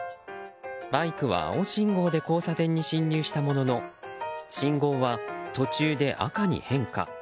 バイクは青信号で交差点に進入したものの信号は途中で赤に変化。